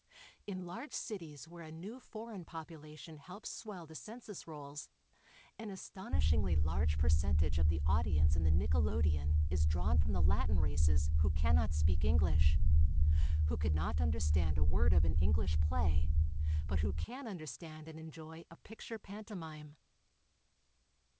In large cities where a new foreign population helps swell the census rolls an aston ishingly large percentage of the audience in the nickelodeeon is drawn from the Latin races who cannot speak English, who could not understand a word of an English play, but who can understand and enjoy a picture pantomime.